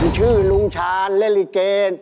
ผมชื่อลุ้งชานเรลลิเกณฑ์